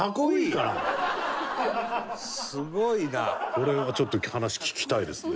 これはちょっと話聞きたいですね。